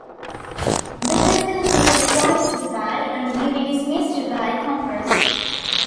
The President is appointed by, and may be dismissed by, Congress.